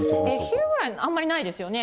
昼ぐらい、あんまりないですよね。